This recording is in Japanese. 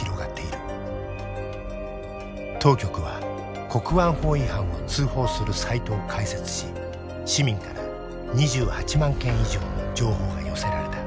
当局は国安法違反を通報するサイトを開設し市民から２８万件以上の情報が寄せられた。